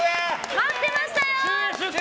待ってましたよ！